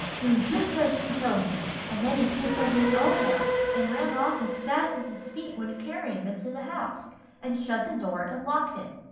'Do just as she tells you to;' and then he picked up his own axe, and ran off as fast as his feet would carry him into the house, and shut the door and locked it.